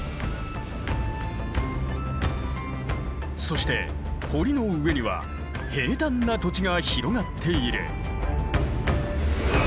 そして堀の上には平たんな土地が広がっている。